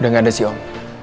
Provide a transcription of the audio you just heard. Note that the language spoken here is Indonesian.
udah gak ada sih om